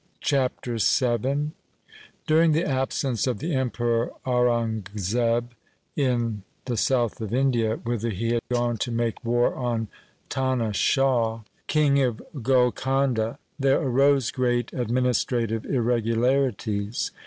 Chapter VII During the absence of the Emperor Aurangzeb in the south of India, whither he had gone to make war on Tana Shah, King of Golkanda, 1 there arose great administrative irregularities.